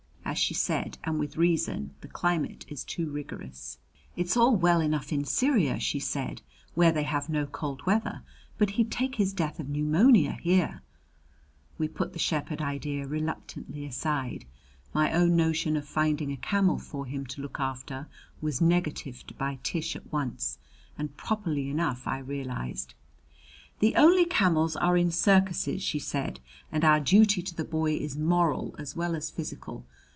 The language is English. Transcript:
As she said, and with reason, the climate is too rigorous. "It's all well enough in Syria," she said, "where they have no cold weather; but he'd take his death of pneumonia here." We put the shepherd idea reluctantly aside. My own notion of finding a camel for him to look after was negatived by Tish at once, and properly enough I realized. "The only camels are in circuses," she said, "and our duty to the boy is moral as well as physical.